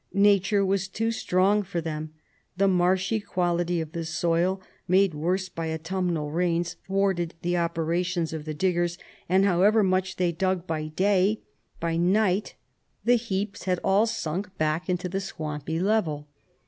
Nature was too strong for them. The marshy quality of the soil, made worse by autumnal rains, thwarted the operations of the diggers, and however much they dug out by day, by night the heaps had all sunk back into the swampy level.